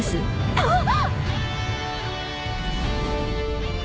あっ。